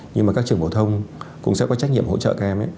nhưng mà các trường phổ thông cũng sẽ có trách nhiệm hỗ trợ em ấy